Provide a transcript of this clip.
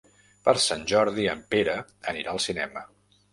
Per Sant Jordi en Pere anirà al cinema.